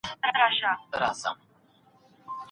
که ډاکټر غوسه سي، د لوړ ږغ سره به پاڼه ړنګه کړي.